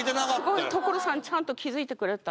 すごい所さんちゃんと気付いてくれた。